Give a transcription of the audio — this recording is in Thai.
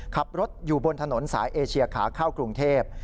ขับรถอยู่บนถนนสายเอเชียขาเข้ากรุงเทพ